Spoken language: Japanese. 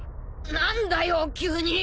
何だよ急に。